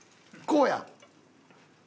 こうや。